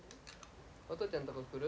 お父ちゃんとこ来る？